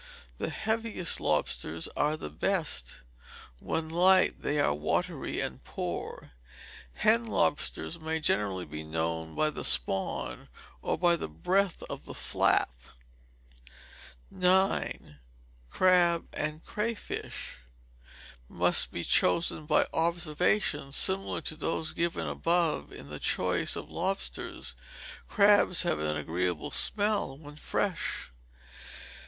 The heaviest lobsters are the best; when light they are watery and poor. Hen lobsters may generally be known by the spawn, or by the breadth of the "flap." 9. Crab and Crayfish must be chosen by observations similar to those given above in the choice of lobsters. Crabs have an agreeable smell when fresh.